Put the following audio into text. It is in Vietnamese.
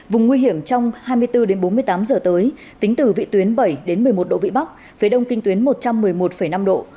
vùng nguy hiểm trong hai mươi bốn bốn mươi tám giờ tới tính từ vị tuyến bảy một mươi một độ vị bắc phía đông kinh tuyến một trăm một mươi một năm độ